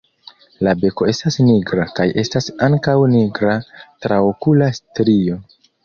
La beko estas nigra kaj estas ankaŭ nigra traokula strio.